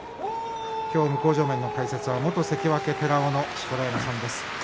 今日、向正面の解説は元関脇寺尾の錣山さんです。